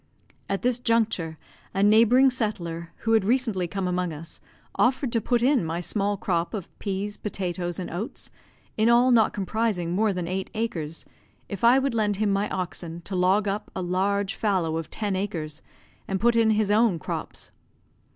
At this juncture, a neighbouring settler, who had recently come among us, offered to put in my small crop of peas, potatoes, and oats, in all not comprising more than eight acres, if I would lend him my oxen to log up a large fallow of ten acres, and put in his own crops.